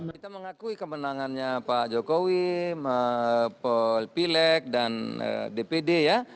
kita mengakui kemenangannya pak jokowi pilek dan dpd ya